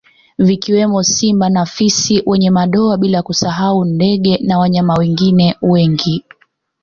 Vikiwemo simba na fisi mwenye madoa bila kusahau ndgee na wanyama wengine wengi